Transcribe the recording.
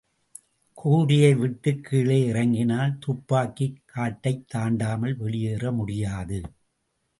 கூரையை விட்டுக் கீழே இறங்கினால் துப்பாக்கிக் காட்டைத் தாண்டாமல் வெளியேற முடியாது.